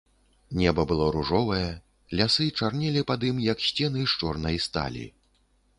Неба было ружовае, лясы чарнелі пад ім, як сцены з чорнай сталі.